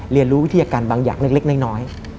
เรียนรู้วิทยาการบางอย่างเล็กน้อย